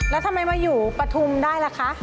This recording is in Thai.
แล้วทำไมมาอยู่ปฐุมได้ล่ะคะ